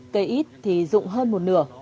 cây ít thì rụng hơn một nửa